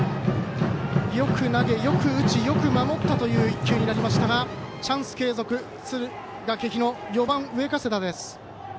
よく投げ、よく打ちよく守ったという１球になりましたがチャンス継続、敦賀気比の４番、上加世田です。